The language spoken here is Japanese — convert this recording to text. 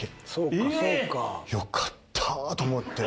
よかったーと思って。